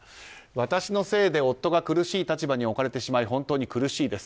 私のせいで夫が苦しい立場に置かれてしまい本当に苦しいです。